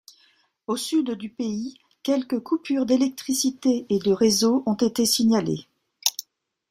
Au sud du pays, quelques coupures d'électricité et de réseaux ont été signalées.